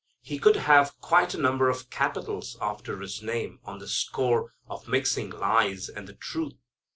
He could have quite a number of capitals after his name on the score of mixing lies and the truth.